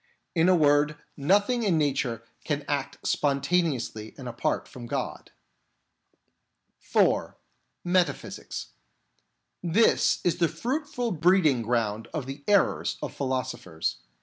In a word, nothing in nature can act sponta neously and apart from God. ERRORS OF METAPHYSICIANS 33 (4) Metaphysics. This is the fruitful breeding ground of the errors of philosophers.